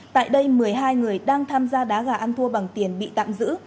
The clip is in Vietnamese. tại đây một mươi hai người đang tham gia đá gà ăn thua bằng tiền bị tạm giữ